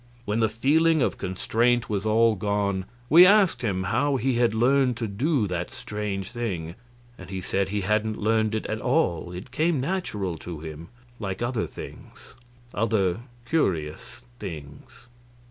When the feeling of constraint was all gone we asked him how he had learned to do that strange thing, and he said he hadn't learned it at all; it came natural to him like other things other curious things.